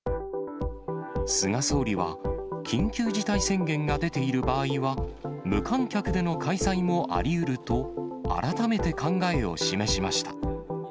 菅総理は緊急事態宣言が出ている場合は、無観客での開催もありうると、改めて考えを示しました。